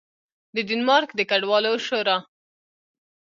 د ډنمارک د کډوالو شورا